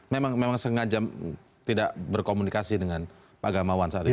memang sengaja tidak berkomunikasi dengan pak gamawang saat itu ya